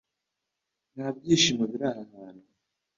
"Nta byishimo biri" aha hantu